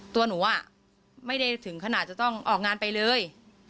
ตัวหนูไม่ได้ถึงขนาดจะต้องออกงานไปเลย